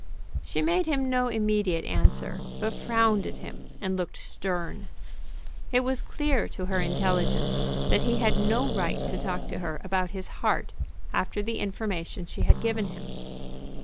She made him no immediate answer, but frowned at him and looked stern. It was clear to her intelligence that he had no right to talk to her about his heart after the information she had given him.